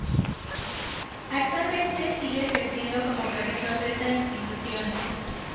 Actualmente sigue ejerciendo como profesor de esta institución.